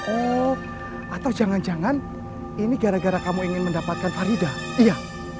oh atau jangan jangan ini gara gara kamu ingin mendapatkan farida iya